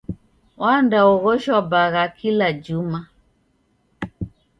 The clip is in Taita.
Wandaoghoshwa bagha kila juma.